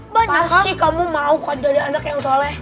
pasti kamu mau kan jadi anak yang soleh